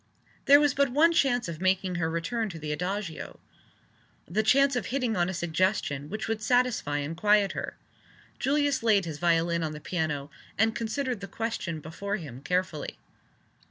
There was but one chance of making her return to the Adagio the chance of hitting on a suggestion which would satisfy and quiet her. Julius laid his violin on the piano, and considered the question before him carefully.